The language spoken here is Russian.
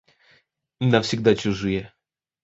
Навсегда чужие!